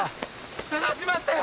捜しましたよ！